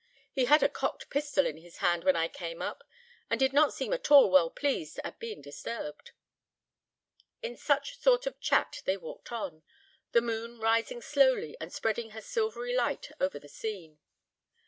He had a cocked pistol in his hand when I came up, and did not seem at all well pleased at being disturbed." In such sort of chat they walked on, the moon rising slowly, and spreading her silvery light over the scene.